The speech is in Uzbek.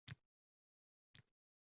Qiz — raqqosa, yigit — ashulachi.